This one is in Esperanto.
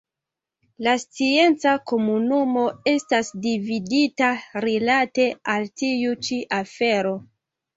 La scienca komunumo estas dividita rilate al tiu ĉi afero.